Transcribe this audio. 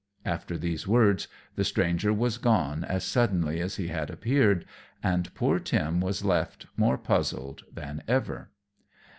After these words the stranger was gone as suddenly as he had appeared, and poor Tim was left, more puzzled than ever.